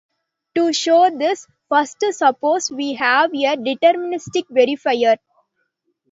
To show this, first suppose we have a deterministic verifier.